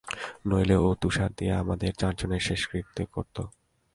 নইলে ও তুষার দিয়ে আমাদের চারজনের শেষকৃত্য করতো!